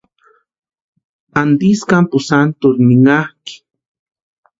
¿Antisï kampu santurhu ninhakʼi?